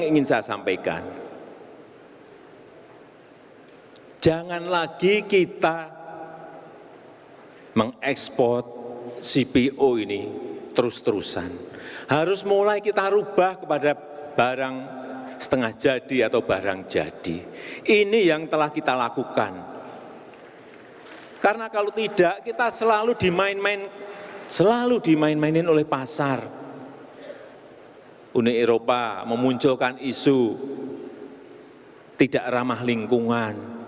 intinya seperti yang dikatakan bung karno dalam trisaktinya